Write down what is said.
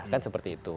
kan seperti itu